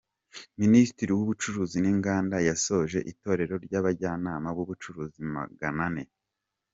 Minisitiri w’Ubucuruzi n’Inganda yasoje itorero ry’abajyanama b’ubucuruzi Maganane